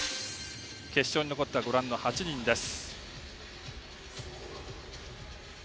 決勝に残ったのはご覧の８人です。